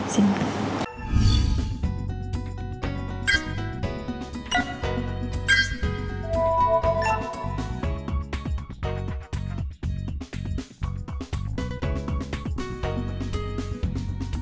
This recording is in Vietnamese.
xin cảm ơn